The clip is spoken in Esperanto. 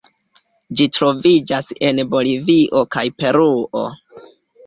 Ĝi troviĝas en Bolivio kaj Peruo.